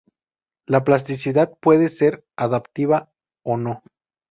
La plasticidad puede ser adaptativa o no.